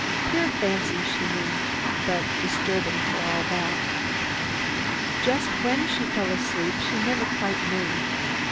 Pure fancy, she knew, but disturbing for all that. Just when she fell asleep she never quite knew.